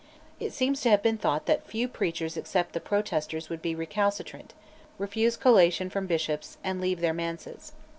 It seems to have been thought that few preachers except the Protesters would be recalcitrant, refuse collation from bishops, and leave their manses.